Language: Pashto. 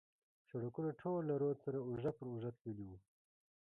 سړکونه ټول له رود سره اوږه پر اوږه تللي و.